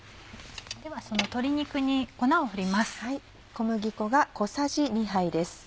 ではその鶏肉に粉を振ります。